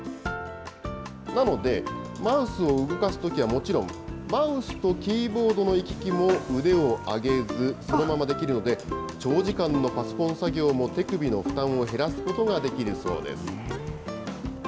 なので、マウスを動かすときはもちろん、マウスとキーボードの行き来も腕を上げず、そのままできるので、長時間のパソコン作業も手首の負担を減らすことができるそうです。